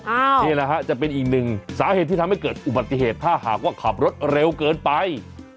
อันนี้นะฮะจะเป็นอีกหนึ่งสาเหตุที่ทำให้เกิดอุบัติเหตุถ้าหากว่าขับรถเร็วเกินไป